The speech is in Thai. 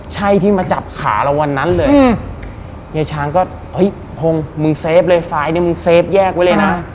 ใช่ที่มาจับขาเราวันนั้นเลยเฮียช้างก็เฮ้ยพงมึงเซฟเลยซ้ายนี่มึงเฟฟแยกไว้เลยนะ